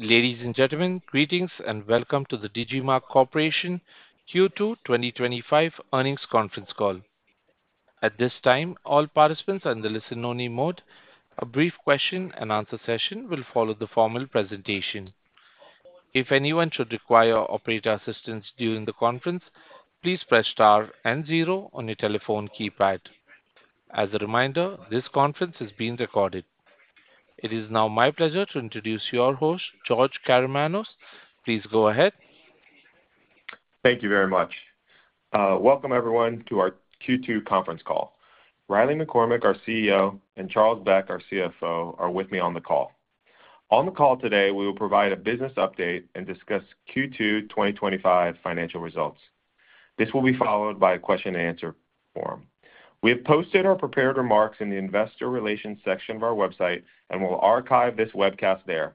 Ladies and gentlemen, greetings and welcome to the Digimarc Corporation Q2 2025 earnings conference call. At this time, all participants are in the listen-only mode. A brief question and answer session will follow the formal presentation. If anyone should require operator assistance during the conference, please press star and zero on your telephone keypad. As a reminder, this conference is being recorded. It is now my pleasure to introduce your host, George Karamanos. Please go ahead. Thank you very much. Welcome, everyone, to our Q2 conference call. Riley McCormack, our CEO, and Charles Beck, our CFO, are with me on the call. On the call today, we will provide a business update and discuss Q2 2025 financial results. This will be followed by a question and answer form. We have posted our prepared remarks in the Investor Relations section of our website and will archive this webcast there.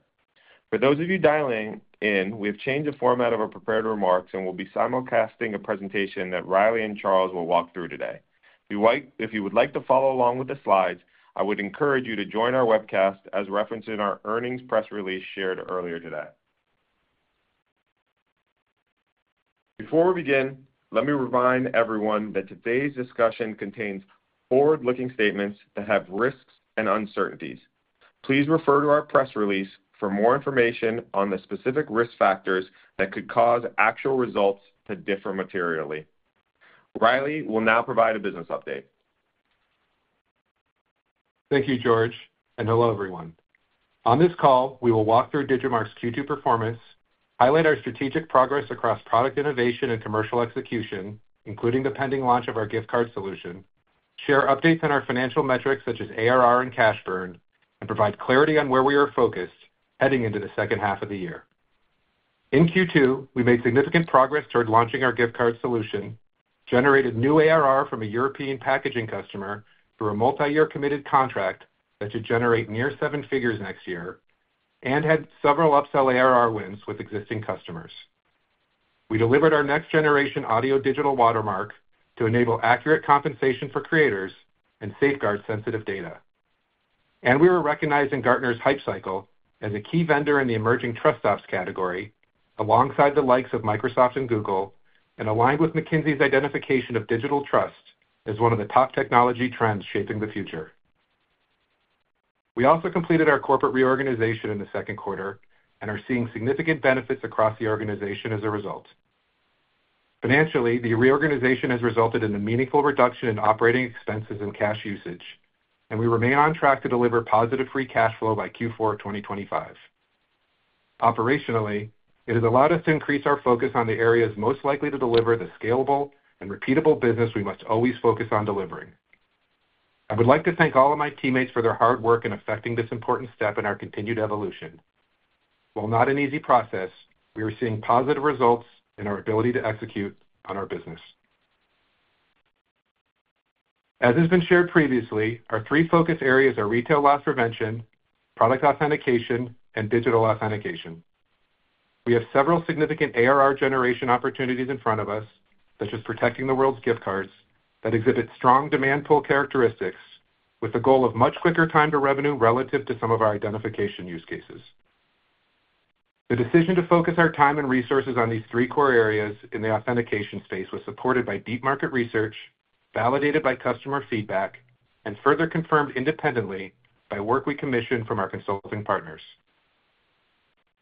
For those of you dialing in, we have changed the format of our prepared remarks and will be simulcasting a presentation that Riley and Charles will walk through today. If you would like to follow along with the slides, I would encourage you to join our webcast as referenced in our earnings press release shared earlier today. Before we begin, let me remind everyone that today's discussion contains forward-looking statements that have risks and uncertainties. Please refer to our press release for more information on the specific risk factors that could cause actual results to differ materially. Riley will now provide a business update. Thank you, George, and hello, everyone. On this call, we will walk through Digimarc's Q2 performance, highlight our strategic progress across product innovation and commercial execution, including the pending launch of our gift card solution, share updates on our financial metrics such as ARR and cash burn, and provide clarity on where we are focused heading into the second half of the year. In Q2, we made significant progress toward launching our gift card solution, generated new ARR from a European packaging customer through a multi-year committed contract that should generate near seven figures next year, and had several upsell ARR wins with existing customers. We delivered our next-generation audio digital watermark to enable accurate compensation for creators and safeguard sensitive data. We were recognized in Gartner's hype cycle as a key vendor in the emerging trust ops category, alongside the likes of Microsoft and Google, and aligned with McKinsey's identification of digital trust as one of the top technology trends shaping the future. We also completed our corporate reorganization in the second quarter and are seeing significant benefits across the organization as a result. Financially, the reorganization has resulted in a meaningful reduction in operating expenses and cash usage, and we remain on track to deliver positive free cash flow by Q4 2025. Operationally, it has allowed us to increase our focus on the areas most likely to deliver the scalable and repeatable business we must always focus on delivering. I would like to thank all of my teammates for their hard work in effecting this important step in our continued evolution. While not an easy process, we are seeing positive results in our ability to execute on our business. As has been shared previously, our three focus areas are retail loss prevention, product authentication, and digital authentication. We have several significant ARR generation opportunities in front of us, such as protecting the world's gift cards that exhibit strong demand pull characteristics with the goal of much quicker time to revenue relative to some of our identification use cases. The decision to focus our time and resources on these three core areas in the authentication space was supported by deep market research, validated by customer feedback, and further confirmed independently by work we commissioned from our consulting partners.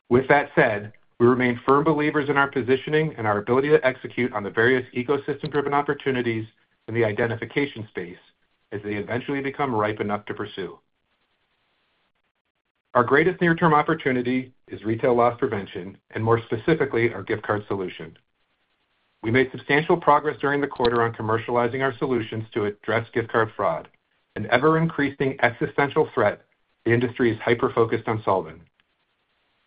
With that said, we remain firm believers in our positioning and our ability to execute on the various ecosystem-driven opportunities in the identification space as they eventually become ripe enough to pursue. Our greatest near-term opportunity is retail loss prevention, and more specifically, our gift card solution. We made substantial progress during the quarter on commercializing our solutions to address gift card fraud, an ever-increasing existential threat the industry is hyper-focused on solving.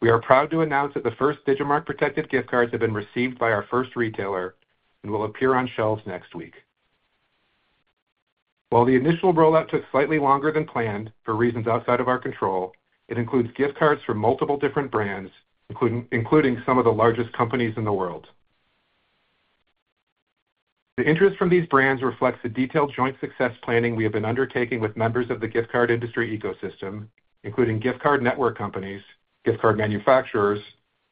We are proud to announce that the first Digimarc protected gift cards have been received by our first retailer and will appear on shelves next week. While the initial rollout took slightly longer than planned for reasons outside of our control, it includes gift cards from multiple different brands, including some of the largest companies in the world. The interest from these brands reflects the detailed joint success planning we have been undertaking with members of the gift card industry ecosystem, including gift card network companies, gift card manufacturers,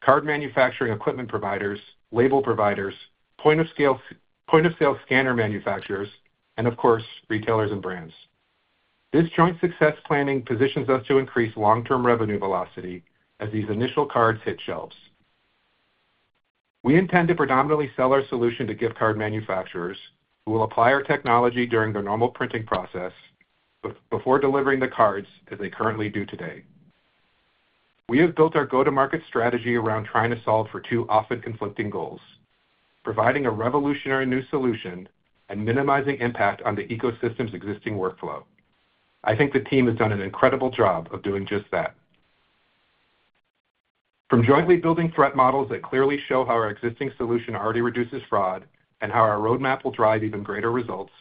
card manufacturing equipment providers, label providers, point-of-sale scanner manufacturers, and of course, retailers and brands. This joint success planning positions us to increase long-term revenue velocity as these initial cards hit shelves. We intend to predominantly sell our solution to gift card manufacturers who will apply our technology during their normal printing process before delivering the cards as they currently do today. We have built our go-to-market strategy around trying to solve for two often conflicting goals: providing a revolutionary new solution and minimizing impact on the ecosystem's existing workflow. I think the team has done an incredible job of doing just that. From jointly building threat models that clearly show how our existing solution already reduces fraud and how our roadmap will drive even greater results,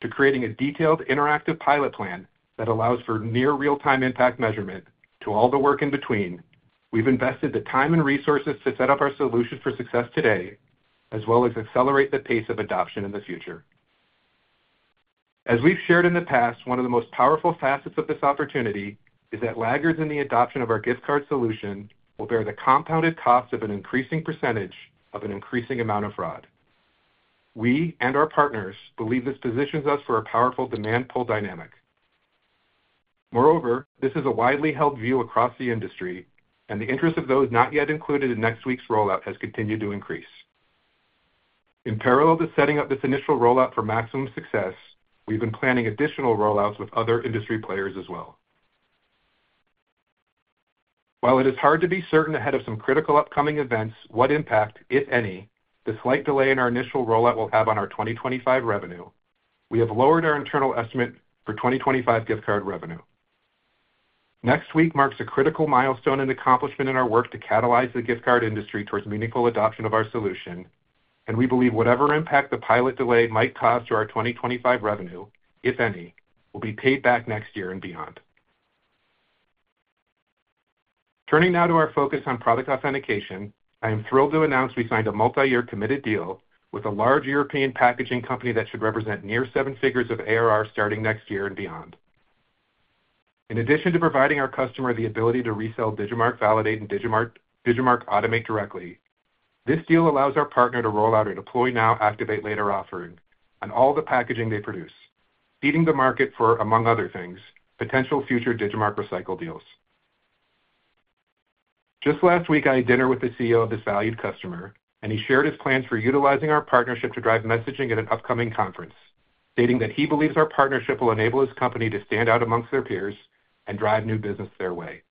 to creating a detailed interactive pilot plan that allows for near real-time impact measurement to all the work in between, we've invested the time and resources to set up our solution for success today, as well as accelerate the pace of adoption in the future. As we've shared in the past, one of the most powerful facets of this opportunity is that laggards in the adoption of our gift card solution will bear the compounded cost of an increasing percentage of an increasing amount of fraud. We and our partners believe this positions us for a powerful demand pull dynamic. Moreover, this is a widely held view across the industry, and the interest of those not yet included in next week's rollout has continued to increase. In parallel to setting up this initial rollout for maximum success, we've been planning additional rollouts with other industry players as well. While it is hard to be certain ahead of some critical upcoming events, what impact, if any, the slight delay in our initial rollout will have on our 2025 revenue, we have lowered our internal estimate for 2025 gift card revenue. Next week marks a critical milestone and accomplishment in our work to catalyze the gift card industry towards meaningful adoption of our solution, and we believe whatever impact the pilot delay might cause to our 2025 revenue, if any, will be paid back next year and beyond. Turning now to our focus on product authentication, I am thrilled to announce we signed a multi-year committed deal with a large European packaging company that should represent near seven figures of ARR starting next year and beyond. In addition to providing our customer the ability to resell Digimarc Validate and Digimarc Automate directly, this deal allows our partner to roll out a deploy-now, activate-later offering on all the packaging they produce, feeding the market for, among other things, potential future Digimarc Recycle deals. Just last week, I had dinner with the CEO of this valued customer, and he shared his plans for utilizing our partnership to drive messaging at an upcoming conference, stating that he believes our partnership will enable his company to stand out amongst their peers and drive new business their way.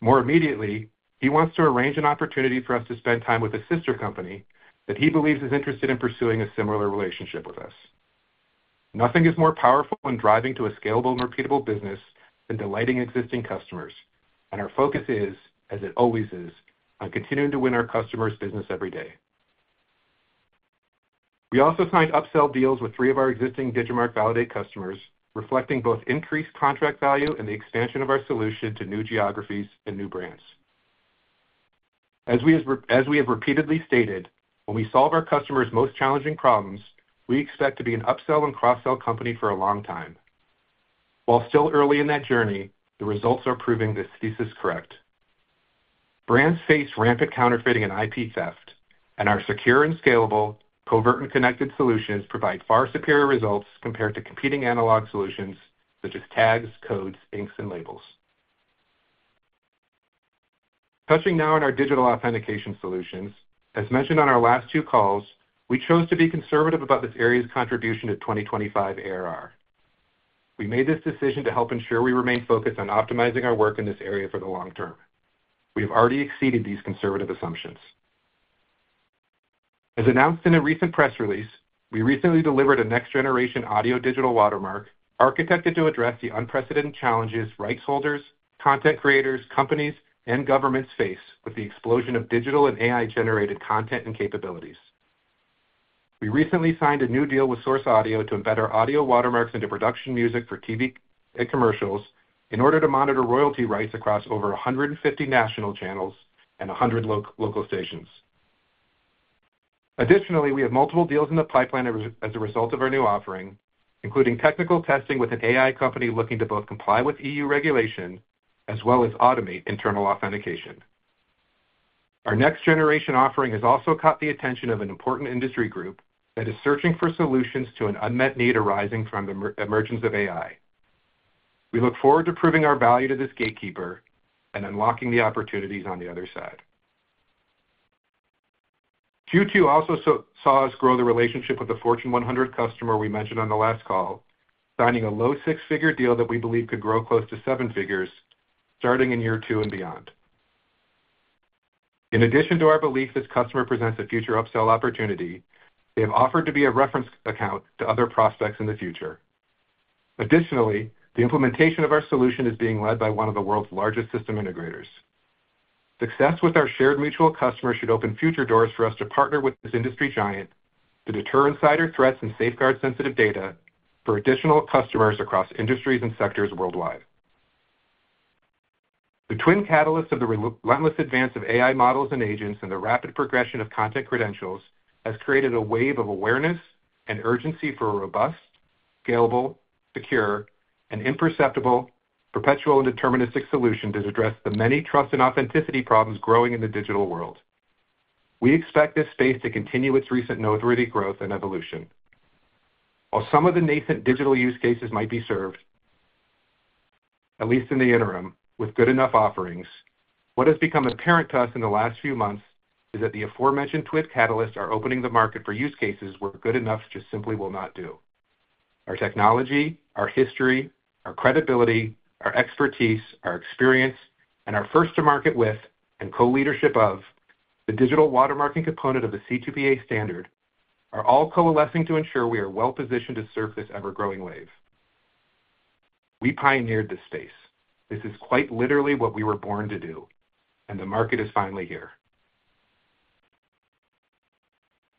More immediately, he wants to arrange an opportunity for us to spend time with a sister company that he believes is interested in pursuing a similar relationship with us. Nothing is more powerful when driving to a scalable and repeatable business than delighting existing customers, and our focus is, as it always is, on continuing to win our customers' business every day. We also signed upsell deals with three of our existing Digimarc Validate customers, reflecting both increased contract value and the expansion of our solution to new geographies and new brands. As we have repeatedly stated, when we solve our customers' most challenging problems, we expect to be an upsell and cross-sell company for a long time. While still early in that journey, the results are proving this thesis correct. Brands face rampant counterfeiting and IP theft, and our secure and scalable, covert and connected solutions provide far superior results compared to competing analog solutions such as tags, codes, inks, and labels. Touching now on our digital authentication solutions, as mentioned on our last two calls, we chose to be conservative about this area's contribution to 2025 ARR. We made this decision to help ensure we remain focused on optimizing our work in this area for the long term. We have already exceeded these conservative assumptions. As announced in a recent press release, we recently delivered a next-generation audio digital watermark architected to address the unprecedented challenges rights holders, content creators, companies, and governments face with the explosion of digital and AI-generated content and capabilities. We recently signed a new deal with SourceAudio to embed our audio watermarks into production music for TV and commercials in order to monitor royalty rights across over 150 national channels and 100 local stations. Additionally, we have multiple deals in the pipeline as a result of our new offering, including technical testing with an AI company looking to both comply with EU regulation as well as automate internal authentication. Our next-generation offering has also caught the attention of an important industry group that is searching for solutions to an unmet need arising from the emergence of AI. We look forward to proving our value to this gatekeeper and unlocking the opportunities on the other side. Q2 also saw us grow the relationship with the Fortune 100 customer we mentioned on the last call, signing a low six-figure deal that we believe could grow close to seven figures starting in year two and beyond. In addition to our belief that this customer presents a future upsell opportunity, they have offered to be a reference account to other prospects in the future. Additionally, the implementation of our solution is being led by one of the world's largest system integrators. Success with our shared mutual customer should open future doors for us to partner with this industry giant to deter insider threats and safeguard sensitive data for additional customers across industries and sectors worldwide. The twin catalyst of the relentless advance of AI models and agents and the rapid progression of content credentials has created a wave of awareness and urgency for a robust, scalable, secure, and imperceptible, perpetual, and deterministic solution to address the many trust and authenticity problems growing in the digital world. We expect this space to continue its recent noteworthy growth and evolution. While some of the nascent digital use cases might be served, at least in the interim, with good enough offerings, what has become apparent to us in the last few months is that the aforementioned twin catalysts are opening the market for use cases where good enough just simply will not do. Our technology, our history, our credibility, our expertise, our experience, and our first-to-market with and co-leadership of the digital watermarking component of the C2PA standard are all coalescing to ensure we are well positioned to surface the ever-growing wave. We pioneered this space. This is quite literally what we were born to do, and the market is finally here.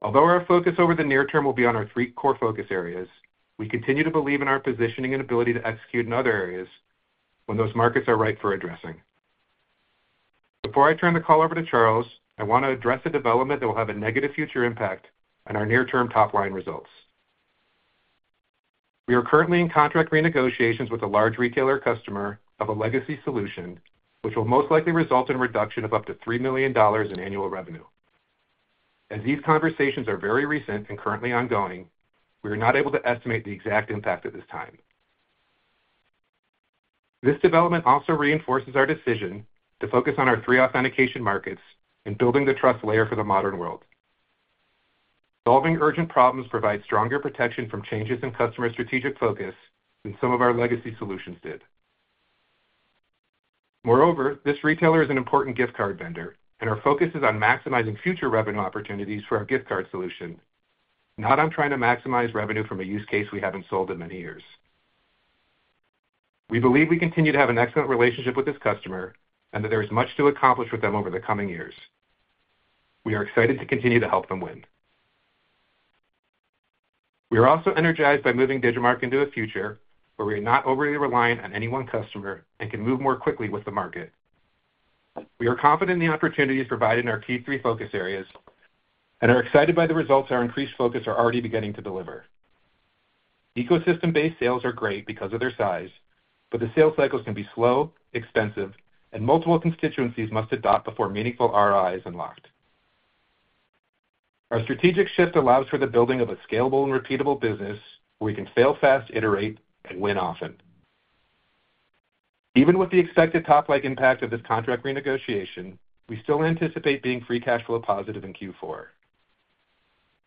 Although our focus over the near term will be on our three core focus areas, we continue to believe in our positioning and ability to execute in other areas when those markets are ripe for addressing. Before I turn the call over to Charles, I want to address a development that will have a negative future impact on our near-term top-line results. We are currently in contract renegotiations with a large retailer customer of a legacy solution, which will most likely result in a reduction of up to $3 million in annual revenue. As these conversations are very recent and currently ongoing, we are not able to estimate the exact impact at this time. This development also reinforces our decision to focus on our three authentication markets and building the trust layer for the modern world. Solving urgent problems provides stronger protection from changes in customer strategic focus than some of our legacy solutions did. Moreover, this retailer is an important gift card vendor, and our focus is on maximizing future revenue opportunities for our gift card solution, not on trying to maximize revenue from a use case we haven't sold in many years. We believe we continue to have an excellent relationship with this customer and that there is much to accomplish with them over the coming years. We are excited to continue to help them win. We are also energized by moving Digimarc into a future where we are not overly reliant on any one customer and can move more quickly with the market. We are confident in the opportunities provided in our key three focus areas and are excited by the results our increased focus are already beginning to deliver. Ecosystem-based sales are great because of their size, but the sales cycles can be slow, expensive, and multiple constituencies must adopt before meaningful ROI is unlocked. Our strategic shift allows for the building of a scalable and repeatable business where we can fail fast, iterate, and win often. Even with the expected top-line impact of this contract renegotiation, we still anticipate being free cash flow positive in Q4.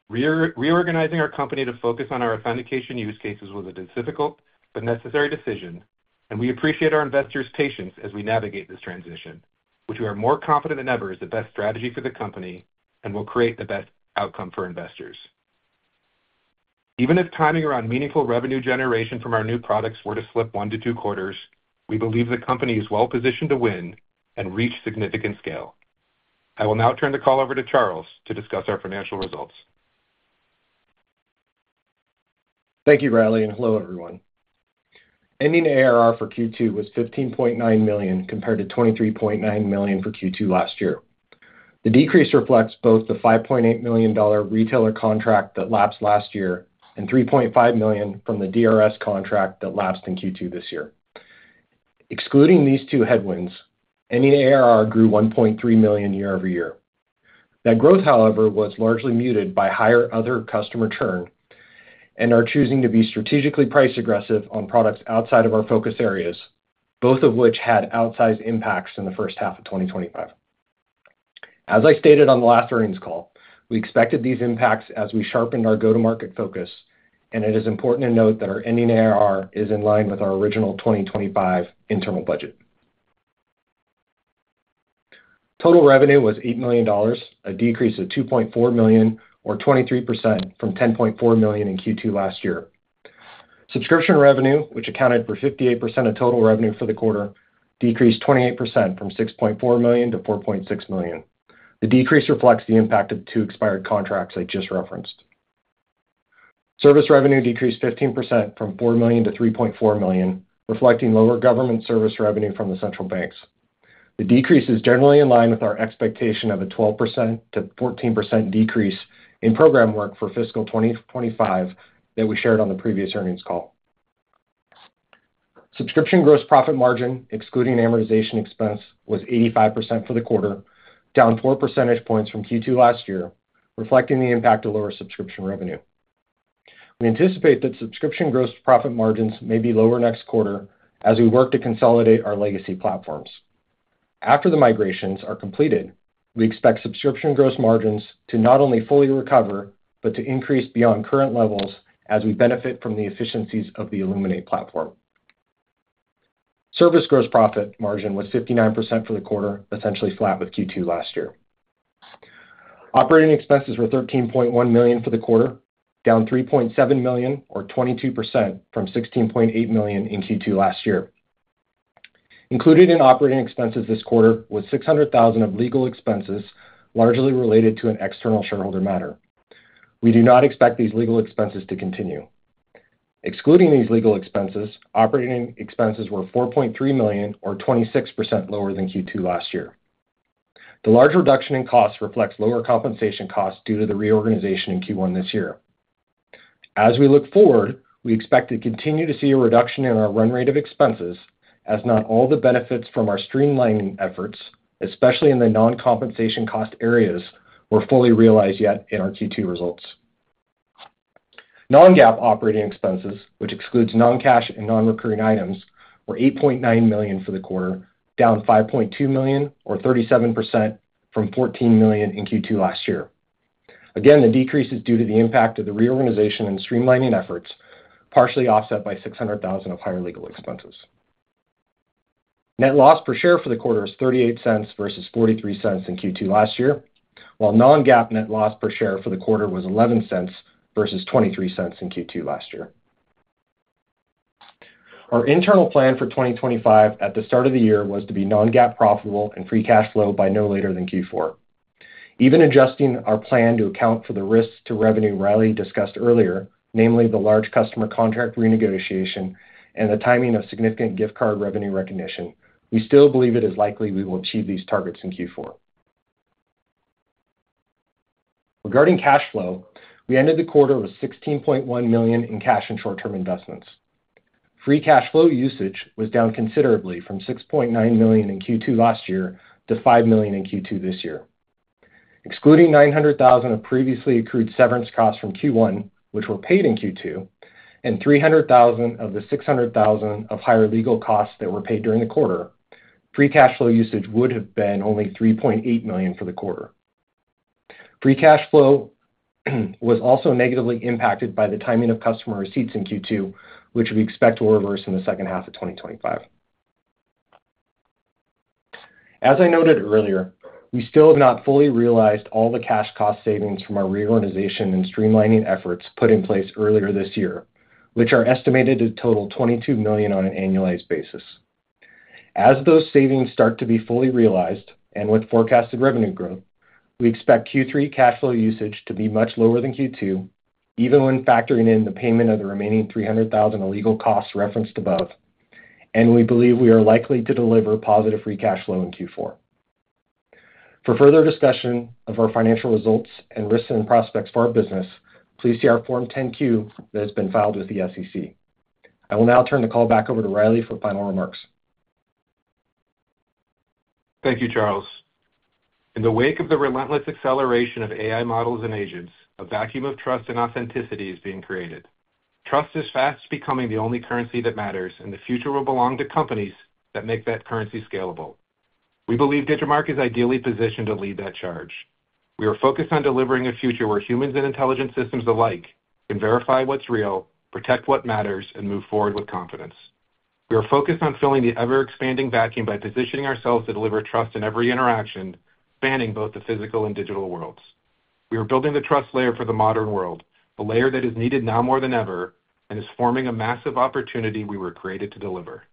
Reorganizing our company to focus on our authentication use cases was a difficult but necessary decision, and we appreciate our investors' patience as we navigate this transition, which we are more confident than ever is the best strategy for the company and will create the best outcome for investors. Even if timing around meaningful revenue generation from our new products were to slip one to two quarters, we believe the company is well positioned to win and reach significant scale. I will now turn the call over to Charles to discuss our financial results. Thank you, Riley, and hello, everyone. Ending ARR for Q2 was $15.9 million compared to $23.9 million for Q2 last year. The decrease reflects both the $5.8 million retailer contract that lapsed last year and $3.5 million from the DRS contract that lapsed in Q2 this year. Excluding these two headwinds, ending ARR grew $1.3 million year over year. That growth, however, was largely muted by higher other customer churn and our choosing to be strategically price aggressive on products outside of our focus areas, both of which had outsized impacts in the first half of 2025. As I stated on the last earnings call, we expected these impacts as we sharpened our go-to-market focus, and it is important to note that our ending ARR is in line with our original 2025 internal budget. Total revenue was $8 million, a decrease of $2.4 million, or 23%, from $10.4 million in Q2 last year. Subscription revenue, which accounted for 58% of total revenue for the quarter, decreased 28% from $6.4 million to $4.6 million. The decrease reflects the impact of two expired contracts I just referenced. Service revenue decreased 15% from $4 million to $3.4 million, reflecting lower government service revenue from the central banks. The decrease is generally in line with our expectation of a 12%-14% decrease in program work for fiscal 2025 that we shared on the previous earnings call. Subscription gross profit margin, excluding amortization expense, was 85% for the quarter, down four percentage points from Q2 last year, reflecting the impact of lower subscription revenue. We anticipate that subscription gross profit margins may be lower next quarter as we work to consolidate our legacy platforms. After the migrations are completed, we expect subscription gross margins to not only fully recover but to increase beyond current levels as we benefit from the efficiencies of the Illuminate platform. Service gross profit margin was 59% for the quarter, essentially flat with Q2 last year. Operating expenses were $13.1 million for the quarter, down $3.7 million, or 22%, from $16.8 million in Q2 last year. Included in operating expenses this quarter was $600,000 of legal expenses, largely related to an external shareholder matter. We do not expect these legal expenses to continue. Excluding these legal expenses, operating expenses were $4.3 million, or 26% lower than Q2 last year. The large reduction in costs reflects lower compensation costs due to the reorganization in Q1 this year. As we look forward, we expect to continue to see a reduction in our run rate of expenses as not all the benefits from our streamlining efforts, especially in the non-compensation cost areas, were fully realized yet in our Q2 results. Non-GAAP operating expenses, which excludes non-cash and non-recurring items, were $8.9 million for the quarter, down $5.2 million, or 37% from $14 million in Q2 last year. Again, the decrease is due to the impact of the reorganization and streamlining efforts, partially offset by $600,000 of higher legal expenses. Net loss per share for the quarter is $0.38 versus $0.43 in Q2 last year, while non-GAAP net loss per share for the quarter was $0.11 versus $0.23 in Q2 last year. Our internal plan for 2025 at the start of the year was to be non-GAAP profitable and free cash flow by no later than Q4. Even adjusting our plan to account for the risks to revenue Riley discussed earlier, namely the large customer contract renegotiation and the timing of significant gift card revenue recognition, we still believe it is likely we will achieve these targets in Q4. Regarding cash flow, we ended the quarter with $16.1 million in cash and short-term investments. Free cash flow usage was down considerably from $6.9 million in Q2 last year to $5 million in Q2 this year. Excluding $900,000 of previously accrued severance costs from Q1, which were paid in Q2, and $300,000 of the $600,000 of higher legal costs that were paid during the quarter, free cash flow usage would have been only $3.8 million for the quarter. Free cash flow was also negatively impacted by the timing of customer receipts in Q2, which we expect will reverse in the second half of 2025. As I noted earlier, we still have not fully realized all the cash cost savings from our reorganization and streamlining efforts put in place earlier this year, which are estimated to total $22 million on an annualized basis. As those savings start to be fully realized and with forecasted revenue growth, we expect Q3 cash flow usage to be much lower than Q2, even when factoring in the payment of the remaining $300,000 of legal costs referenced above, and we believe we are likely to deliver positive free cash flow in Q4. For further discussion of our financial results and risks and prospects for our business, please see our Form 10-Q that has been filed with the SEC. I will now turn the call back over to Riley for final remarks. Thank you, Charles. In the wake of the relentless acceleration of AI models and agents, a vacuum of trust and authenticity is being created. Trust is fast becoming the only currency that matters, and the future will belong to companies that make that currency scalable. We believe Digimarc is ideally positioned to lead that charge. We are focused on delivering a future where humans and intelligent systems alike can verify what's real, protect what matters, and move forward with confidence. We are focused on filling the ever-expanding vacuum by positioning ourselves to deliver trust in every interaction spanning both the physical and digital worlds. We are building the trust layer for the modern world, a layer that is needed now more than ever and is forming a massive opportunity we were created to deliver.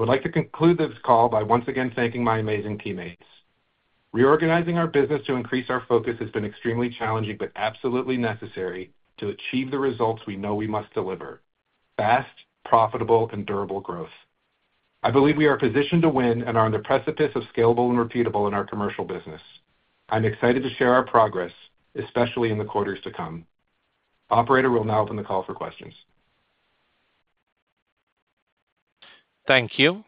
I would like to conclude this call by once again thanking my amazing teammates. Reorganizing our business to increase our focus has been extremely challenging but absolutely necessary to achieve the results we know we must deliver: fast, profitable, and durable growth. I believe we are positioned to win and are on the precipice of scalable and repeatable in our commercial business. I'm excited to share our progress, especially in the quarters to come. Operator will now open the call for questions. Thank you.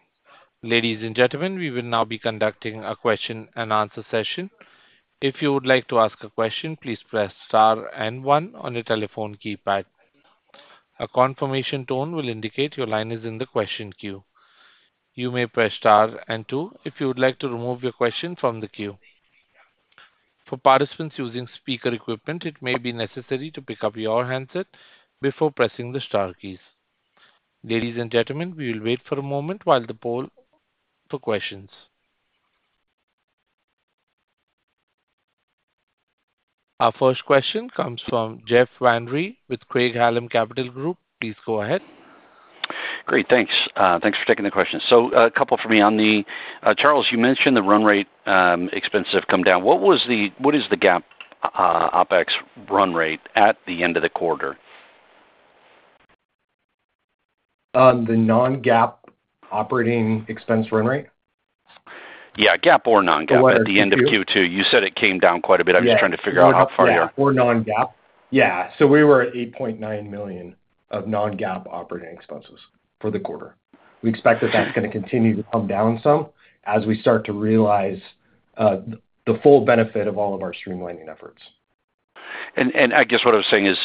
Ladies and gentlemen, we will now be conducting a question and answer session. If you would like to ask a question, please press star and one on your telephone keypad. A confirmation tone will indicate your line is in the question queue. You may press star and two if you would like to remove your question from the queue. For participants using speaker equipment, it may be necessary to pick up your handset before pressing the star keys. Ladies and gentlemen, we will wait for a moment while the poll for questions. Our first question comes from Jeff Van Rhee with Craig-Hallum Capital Group. Please go ahead. Great, thanks. Thanks for taking the question. A couple for me on the, Charles, you mentioned the run rate expenses have come down. What was the, what is the GAAP OpEx run rate at the end of the quarter? On the non-GAAP operating expense run rate? Yeah, GAAP or non-GAAP at the end of Q2. You said it came down quite a bit. I'm just trying to figure out how far you are. On non-GAAP or non-GAAP? Yeah, we were at $8.9 million of non-GAAP operating expenses for the quarter. We expect that that's going to continue to come down some as we start to realize the full benefit of all of our streamlining efforts. I guess what I was saying is,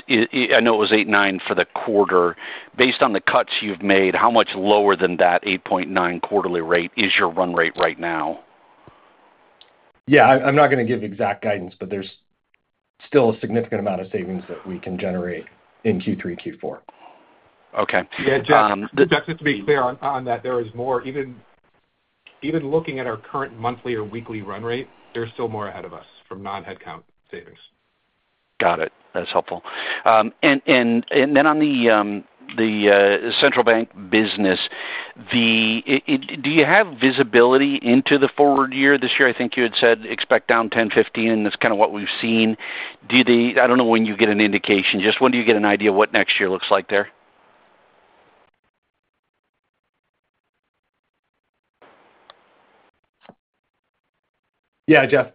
I know it was $8.9 million for the quarter. Based on the cuts you've made, how much lower than that $8.9 million quarterly rate is your run rate right now? Yeah, I'm not going to give exact guidance, but there's still a significant amount of savings that we can generate in Q3 and Q4. Yeah, just. That's just to be fair on that. There is more, even looking at our current monthly or weekly run rate, there's still more ahead of us from non-headcount savings. Got it. That's helpful. On the central bank business, do you have visibility into the forward year? This year, I think you had said expect down 10%, 15%, and that's kind of what we've seen. Do the, I don't know when you get an indication, just when do you get an idea of what next year looks like there? Yeah, Jeff,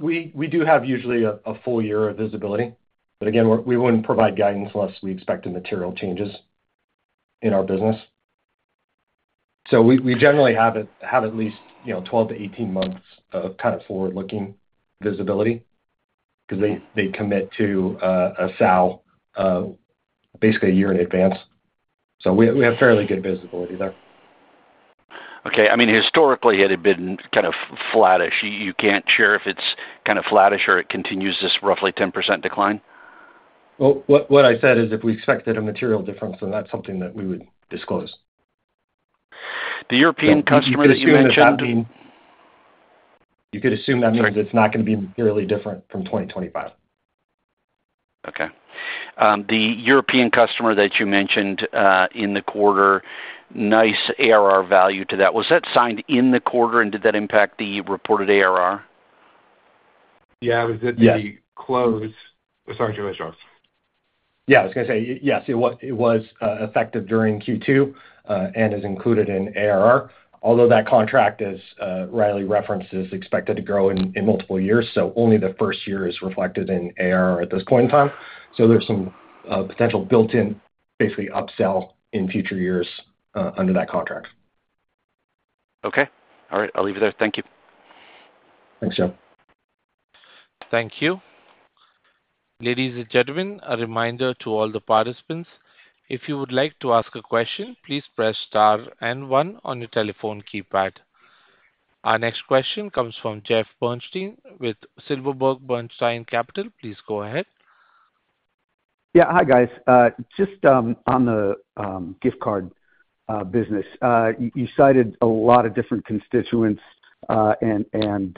we do have usually a full year of visibility, but again, we wouldn't provide guidance unless we expect material changes in our business. We generally have at least 12-18 months of kind of forward-looking visibility because they commit to a sale basically a year in advance. We have fairly good visibility there. Okay. I mean, historically, it had been kind of flattish. You can't share if it's kind of flattish or it continues this roughly 10% decline? If we expected a material difference, then that's something that we would disclose. The Europe customer that you mentioned. You could assume that means it's not going to be materially different from 2025. Okay. The European customer that you mentioned in the quarter, nice ARR value to that. Was that signed in the quarter, and did that impact the reported ARR? Yeah, it was at the close. Sorry to interrupt. Yes, it was effective during Q2 and is included in ARR, although that contract, as Riley references, is expected to grow in multiple years. Only the first year is reflected in ARR at this point in time. There's some potential built-in basically upsell in future years under that contract. Okay. All right. I'll leave it there. Thank you. Thanks, Jeff. Thank you. Ladies and gentlemen, a reminder to all the participants, if you would like to ask a question, please press star and one on your telephone keypad. Our next question comes from Jeff Bernstein with Silverberg Bernstein Capital. Please go ahead. Yeah, hi guys. Just on the gift card business, you cited a lot of different constituents and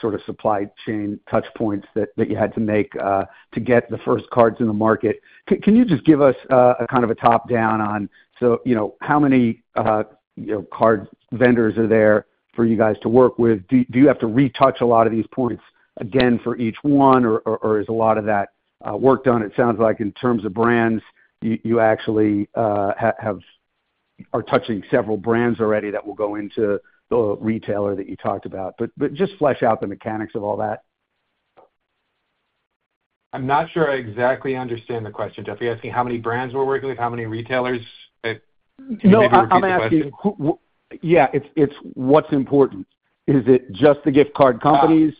sort of supply chain touchpoints that you had to make to get the first cards in the market. Can you just give us a kind of a top-down on, you know, how many card vendors are there for you guys to work with? Do you have to retouch a lot of these points again for each one, or is a lot of that work done? It sounds like in terms of brands, you actually are touching several brands already that will go into the retailer that you talked about. Just flesh out the mechanics of all that. I'm not sure I exactly understand the question, Jeff. Are you asking how many brands we're working with, how many retailers? No, I'm asking, yeah, it's what's important. Is it just the gift card companies?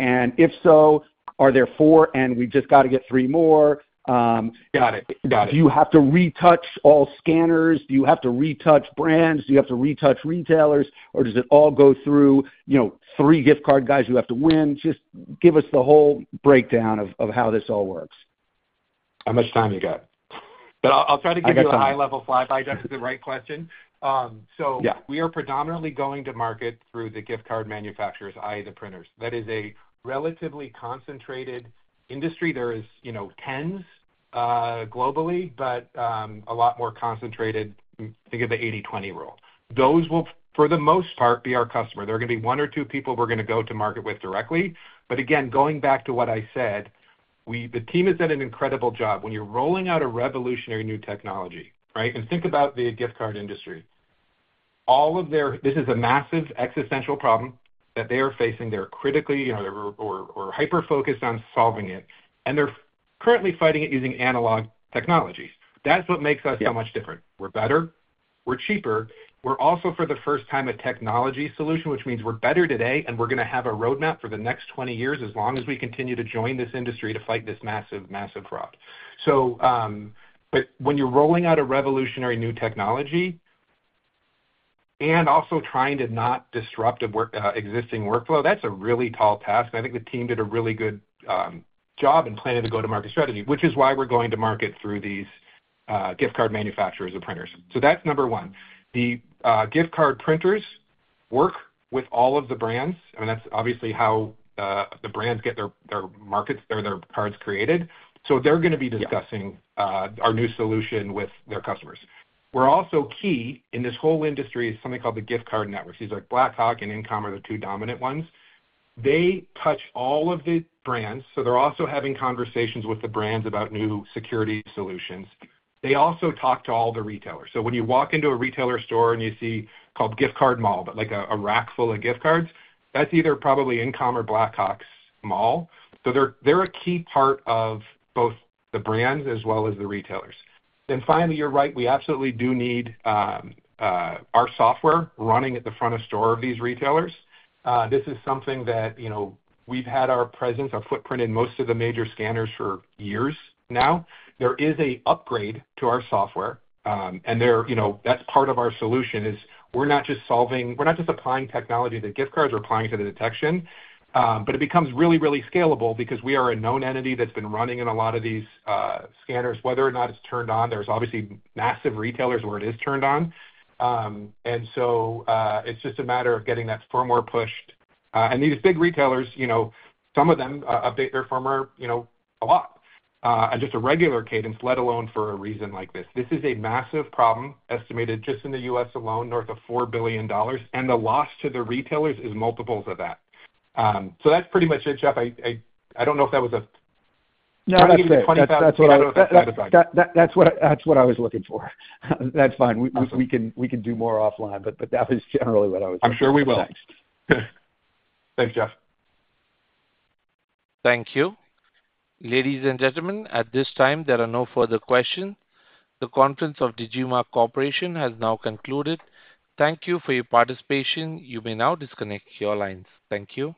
And if so, are there four and we just got to get three more? Got it. Do you have to retouch all scanners? Do you have to retouch brands? Do you have to retouch retailers? Does it all go through, you know, three gift card guys you have to win? Just give us the whole breakdown of how this all works. How much time you got? I'll try to give you the high-level flyby, Jeff, to the right question. We are predominantly going to market through the gift card manufacturers, i.e., the printers. That is a relatively concentrated industry. There are, you know, tens globally, but a lot more concentrated. Think of the 80/20 rule. Those will, for the most part, be our customer. There are going to be one or two people we're going to go to market with directly. Going back to what I said, the team has done an incredible job when you're rolling out a revolutionary new technology, right? Think about the gift card industry. All of their, this is a massive existential problem that they are facing. They're critically, you know, they're hyper-focused on solving it. They're currently fighting it using analog technologies. That's what makes us so much different. We're better. We're cheaper. We're also, for the first time, a technology solution, which means we're better today, and we're going to have a roadmap for the next 20 years as long as we continue to join this industry to fight this massive, massive fraud. When you're rolling out a revolutionary new technology and also trying to not disrupt existing workflow, that's a really tall task. I think the team did a really good job and planted a go-to-market strategy, which is why we're going to market through these gift card manufacturers or printers. That's number one. The gift card printers work with all of the brands. I mean, that's obviously how the brands get their markets, their cards created. They're going to be discussing our new solution with their customers. Also key in this whole industry is something called the gift card networks. These are like Blackhawk and InComm are the two dominant ones. They touch all of the brands. They're also having conversations with the brands about new security solutions. They also talk to all the retailers. When you walk into a retailer store and you see called Gift Card Mall, but like a rack full of gift cards, that's either probably InComm or Blackhawk's mall. They're a key part of both the brands as well as the retailers. Finally, you're right, we absolutely do need our software running at the front of store of these retailers. This is something that, you know, we've had our presence, our footprint in most of the major scanners for years now. There is an upgrade to our software. That's part of our solution. We're not just solving, we're not just applying technology to the gift cards, we're applying it to the detection. It becomes really, really scalable because we are a known entity that's been running in a lot of these scanners. Whether or not it's turned on, there's obviously massive retailers where it is turned on. It's just a matter of getting that firmware pushed. These big retailers, some of them update their firmware a lot, and just a regular cadence, let alone for a reason like this. This is a massive problem estimated just in the U.S. alone, north of $4 billion. The loss to the retailers is multiples of that. That's pretty much it, Jeff. I don't know if that was a. No, that's great. That's what I was looking for. That's fine. We can do more offline, but that was generally what I was. I'm sure we will. Thanks, Jeff. Thank you. Ladies and gentlemen, at this time, there are no further questions. The conference of Digimarc Corporation has now concluded. Thank you for your participation. You may now disconnect your lines. Thank you.